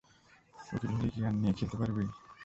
উকিল হলেই কি আইন নিয়ে খেলতে পারবি?